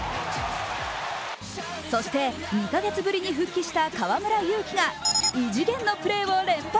そして２か月ぶりに復帰した河村勇輝が異次元のプレーを連発。